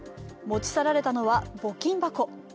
持ち去られたのは募金箱。